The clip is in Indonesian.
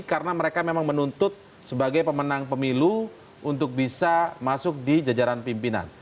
karena mereka memang menuntut sebagai pemenang pemilu untuk bisa masuk di jajaran pimpinan